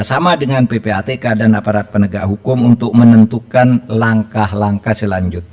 sesuai dengan undang undang no delapan tahun dua ribu sepuluh tentang disiplin pegawai negeri sipil